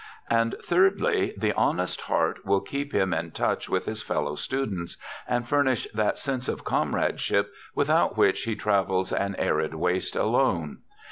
And, thirdly, the honest heart will keep him in touch with his fellow students, and furnish that sense of comradeship without which he travels an arid waste alone.